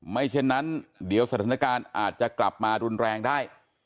เช่นนั้นเดี๋ยวสถานการณ์อาจจะกลับมารุนแรงได้